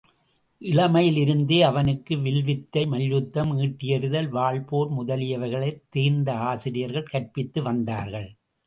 இளமையிலிருந்தே அவனுக்கு வில்வித்தை மல்யுத்தம், ஈட்டி எறிதல், வாள் போர் முதலியவைகளைத் தேர்ந்த ஆசிரியர்கள் கற்பித்து வந்தார்கள்.